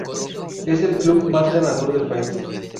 Es el club más ganador del país.